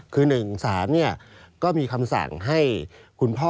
คือหนึ่งสารนี่ก็มีคำสั่งให้คุณพ่อ